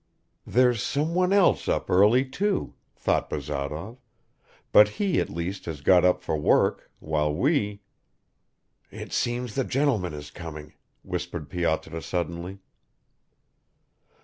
"There's someone else up early too," thought Bazarov, "but he at least has got up for work while we ..." "It seems the gentleman is coming," whispered Pyotr suddenly.